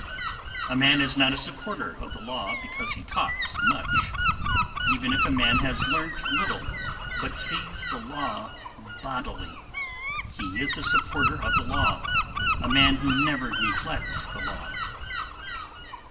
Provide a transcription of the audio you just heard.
259. A man is not a supporter of the law because he talks much; even if a man has learnt little, but sees the law bodily, he is a supporter of the law, a man who never neglects the law.